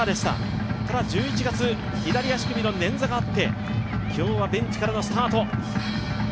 ただ、１１月、左足首の捻挫があって今日はベンチからのスタート。